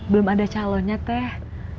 belum ada calonnya teh